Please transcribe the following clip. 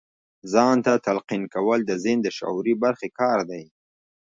ځان ته تلقين کول د ذهن د شعوري برخې کار دی.